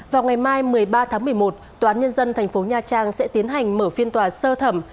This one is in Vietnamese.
vào ngày mai một mươi ba tháng một mươi một tòa án nhân dân tp nha trang sẽ tiến hành mở phiên tòa sơ thẩm